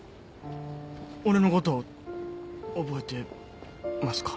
俺のこと覚えてますか？